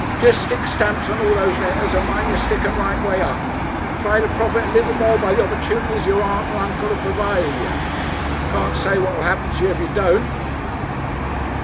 Jest stick stamps on all those letters, and mind y'r stick 'em right way up, and try and profit a little more by the opportunities your aunt and uncle have provided ye. Can't say what'll happen t'ye if ye don't."